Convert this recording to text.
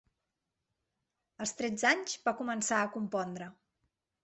Als tretze anys va començar a compondre.